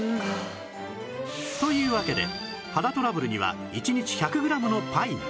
というわけで肌トラブルには１日１００グラムのパイン